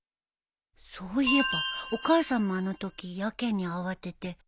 そういえばお母さんもあのときやけに慌てて